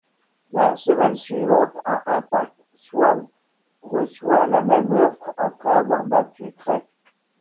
La semaine suivante à Impact, Swann reçoit la même offre après avoir battu Trey.